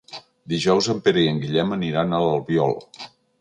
Dijous en Pere i en Guillem aniran a l'Albiol.